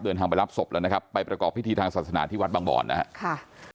เดินทางไปรับศพแล้วนะครับไปประกอบพิธีทางศาสนาที่วัดบางบ่อนนะครับ